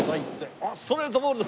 あっストレートボールです。